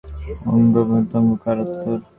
লিভারের শোকে শরীরের অন্যসব অঙ্গপ্রত্যঙ্গও কাতর।